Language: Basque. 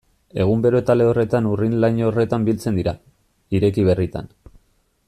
Egun bero eta lehorretan urrin-laino horretan biltzen dira, ireki berritan.